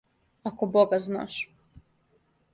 Ако бога знаш.